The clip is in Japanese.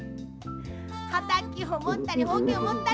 はたきをもったりほうきをもったり。